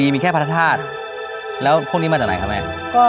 ไม่มี